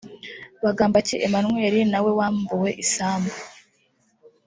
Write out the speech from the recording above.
Bagambiki Emmanuel nawe wambuwe isambu